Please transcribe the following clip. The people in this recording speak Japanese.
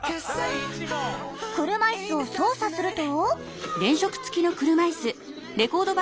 車いすを操作すると。